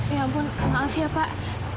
ya ampun maaf ya pak